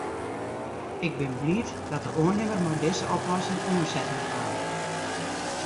Ik bin bliid dat de oannimmer mei dizze oplossing oansetten kaam.